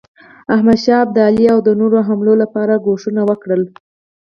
احمدشاه ابدالي د نورو حملو لپاره کوښښونه وکړل.